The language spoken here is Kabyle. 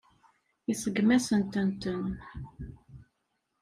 Iseggem-asent-ten.